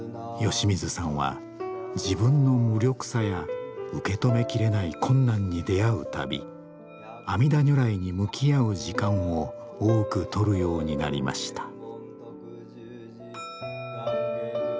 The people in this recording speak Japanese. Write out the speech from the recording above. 吉水さんは自分の無力さや受け止めきれない困難に出会う度阿弥陀如来に向き合う時間を多く取るようになりました。